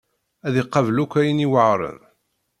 Ad iqabel akk ayen yuɛren.